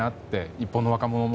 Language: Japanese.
日本の若者も。